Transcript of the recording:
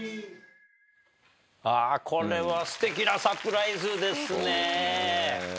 あこれはすてきなサプライズですね。